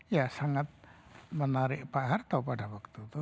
ya sangat menarik pak harto pada waktu itu